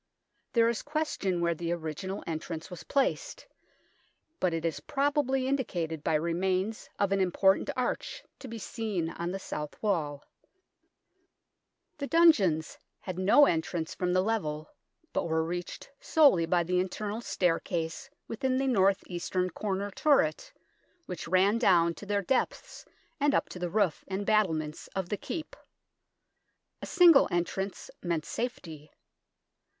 There is question where the original entrance was placed, but it is probably indicated by remains of an important arch to be seen on the south wall. 16 THE TOWER OF LONDON The dungeons had no entrance from the level, but were reached solely by the internal staircase within the north eastern corner turret, which ran down to their depths and up to the roof and battlements of the Keep. A single entrance meant safety.